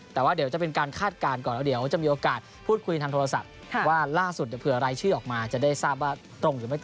แต่ว่าเดี๋ยวจะเป็นการคาดการณ์ก่อนแล้วเดี๋ยวจะมีโอกาสพูดคุยทางโทรศัพท์ว่าล่าสุดเดี๋ยวเผื่อรายชื่อออกมาจะได้ทราบว่าตรงหรือไม่ตรง